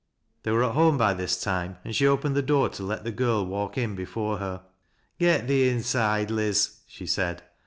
They were at home by this time, and she opened tht door to let the girl walk ' n before her. " Get thee inside. Liz," she said.